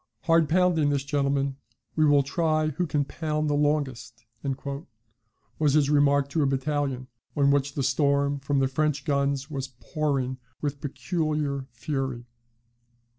"Hard pounding this, gentlemen: we will try who can pound the longest," was his remark to a battalion, on which the storm from the French guns was pouring with peculiar fury.